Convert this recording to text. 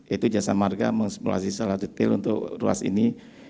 itu jasa marga mengimplulasi secara detail untuk ruas ini